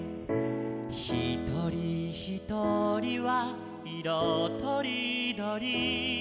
「ひとりひとりはいろとりどり」